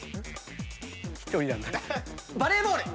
バレーボール。